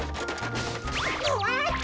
うわっと。